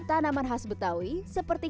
tanaman khas betawi seperti